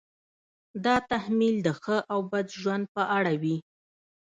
دا تحمیل د ښه او بد ژوند په اړه وي.